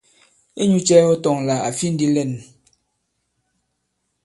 Inyūcɛ̄ ɔ tɔ̄ là à fi ndī lɛ᷇n?